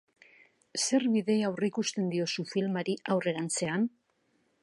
Zer bide aurreikusten diozu filmari aurrerantzean?